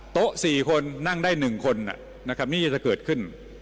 โต๊ะ๔คนนั่งได้๑คนนี่จะเกิดขึ้น